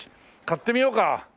買ってみようか。